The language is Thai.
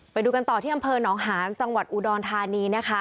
ไปดูกันต่อที่อำเภอหนองหานจังหวัดอุดรธานีนะคะ